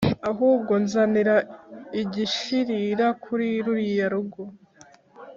ahubwo nzanira igishirira kuri ruriya rugo